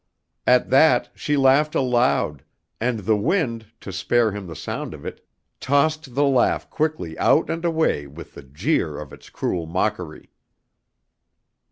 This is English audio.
At that she laughed aloud and the wind, to spare him the sound of it, tossed the laugh quickly out and away with the jeer of its cruel mockery.